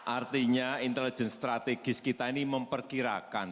artinya intelijen strategis kita ini memperkirakan